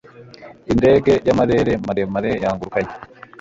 indege yamarere maremare yangurukanye